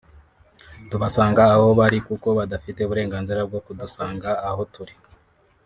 tubasanga aho bari kuko badafite uburenganzira bwo kudusanga aho turi